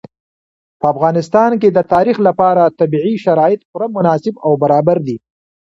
په افغانستان کې د تاریخ لپاره طبیعي شرایط پوره مناسب او برابر دي.